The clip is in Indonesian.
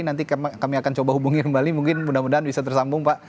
nanti kami akan coba hubungi kembali mungkin mudah mudahan bisa tersambung pak